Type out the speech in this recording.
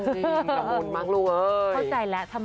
เข้าใจแล้ว